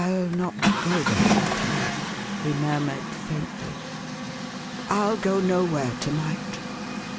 Til not go there, to night," he murmured faintly. " Til go nowhere to night.